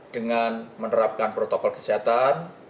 dengan menerapkan protokol kesehatan